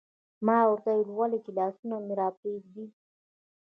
ما ورته وویل: ولې؟ چې لاسونه مې راپرېږدي.